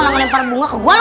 waduh waryu gpele gue nggakel